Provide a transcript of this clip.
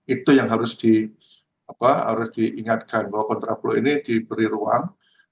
itu yang harus diingatkan bahwa kontraplo ini diberi ruang